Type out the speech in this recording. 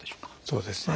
そうですね。